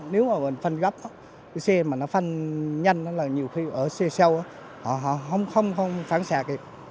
nếu mà mình phanh gấp xe mà nó phanh nhanh là nhiều khi ở xe sâu họ không phán xạ kịp